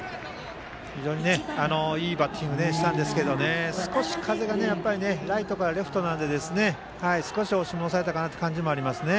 非常にいいバッティングをしたんですが少し風がライトからレフトなので少し押し戻されたかなという感じがありますね。